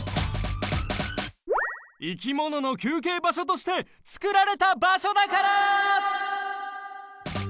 いきものの休憩場所としてつくられた場所だから！